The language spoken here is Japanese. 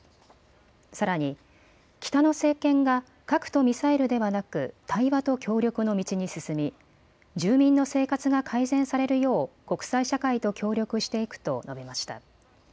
さらに北の政権が核とミサイルではなく対話と協力の道に進み住民の生活が改善されるよう国際社会と協力していくと述べました。